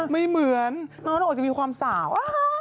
ไม่เหมือนน้องโอจะมีความสาว